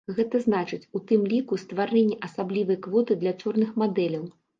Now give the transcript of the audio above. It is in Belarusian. Гэта значыць, у тым ліку, стварэнне асаблівай квоты для чорных мадэляў.